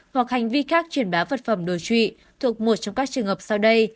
hoặc hành vi khác truyền bá vật phẩm đối trụy thuộc một trong các trường hợp sau đây